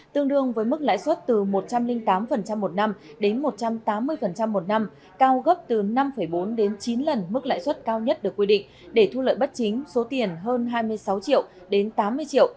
tương đương với mức lãi suất từ một trăm linh tám một năm đến một trăm tám mươi một năm cao gấp từ năm bốn đến chín lần mức lãi suất cao nhất được quy định để thu lợi bất chính số tiền hơn hai mươi sáu triệu đến tám mươi triệu